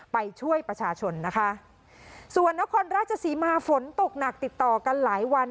ไปช่วยประชาชนนะคะส่วนนครราชสีมาฝนตกหนักติดต่อกันหลายวัน